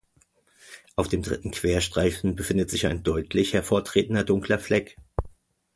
Auf dem dritten Querstreifen befindet sich ein deutlich hervortretender dunkler Fleck.